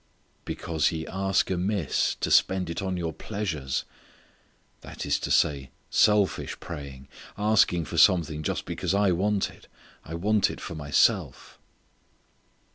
"because ye ask amiss to spend it in your pleasures." That is to say selfish praying; asking for something just because I want it; want it for myself.